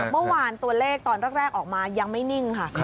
เมื่อวานตัวเลขตอนแรกออกมายังไม่นิ่งค่ะ